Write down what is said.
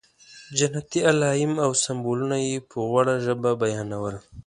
جنتي علایم او سمبولونه یې په غوړه ژبه بیانول.